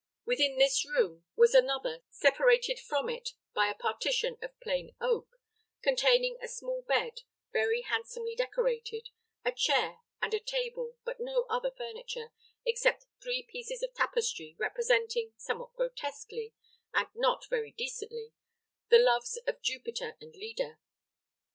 Within this room wat another, separated from it by a partition of plain oak, containing a small bed, very handsomely decorated, a chair, and a table, but no other furniture, except three pieces of tapestry, representing, somewhat grotesquely, and not very decently, the loves of Jupiter and Leda.